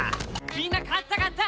みんな買った買った！